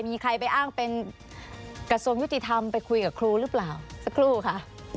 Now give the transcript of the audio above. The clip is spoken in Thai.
มีใครไปอ้างเป็นกระทรวงยุติธรรมไปคุยกับครูหรือเปล่าสักครู่ค่ะ